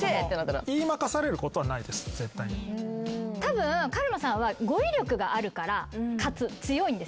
たぶんカルマさんは語彙力があるから強いんです。